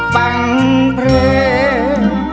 ฟังเพลง